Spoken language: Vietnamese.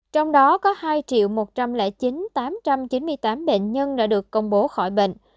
trong đó có hai một trăm linh chín tám trăm chín mươi tám bệnh nhân đã được công bố khỏi bệnh